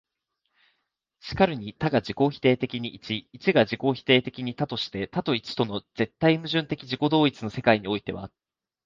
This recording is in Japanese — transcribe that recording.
然るに多が自己否定的に一、一が自己否定的に多として、多と一との絶対矛盾的自己同一の世界においては、